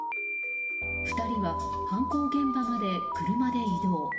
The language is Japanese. ２人は犯行現場まで車で移動。